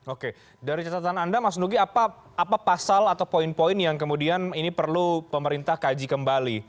oke dari catatan anda mas nugi apa pasal atau poin poin yang kemudian ini perlu pemerintah kaji kembali